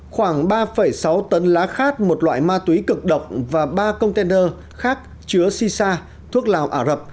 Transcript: khoảng ba sáu tấn lá khát một loại ma túy cực độc và ba container khác chứa si sa thuốc lào ả rập